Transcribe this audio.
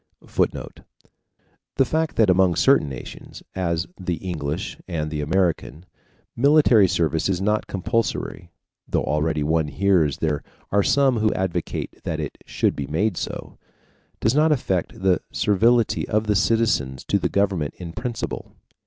[Footnote: The fact that among certain nations, as the English and the American, military service is not compulsory (though already one hears there are some who advocate that it should be made so) does not affect the servility of the citizens to the government in principle.